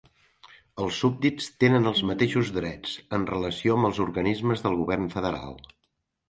Els súbdits tenen els mateixos drets, en relació amb els organismes del govern federal.